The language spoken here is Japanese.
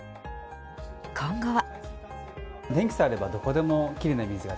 今後は。